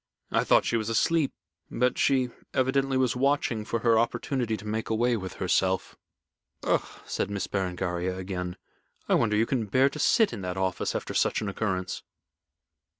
I thought she was asleep, but she evidently was watching for her opportunity to make away with herself." "Ugh!" said Miss Berengaria, again. "I wonder you can bear to sit in that office after such an occurrence."